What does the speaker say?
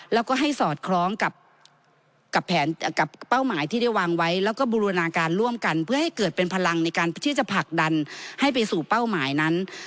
แล้วก็ให้สอดคล้องกับแผนกับเป้าหมายที่ได้วางไว้แล้วก็บูรณาการร่วมกันเพื่อให้เกิดเป็นพลังในการที่จะผลักดันให้ไปสู่เป้าหมายนั้น